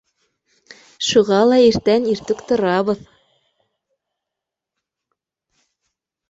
Шуға ла иртән иртүк торабыҙ.